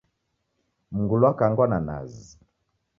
Mngulu wakangwa na nazi